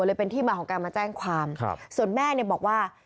เลยเป็นที่มาของการมาแจ้งความส่วนแม่เนี่ยบอกว่า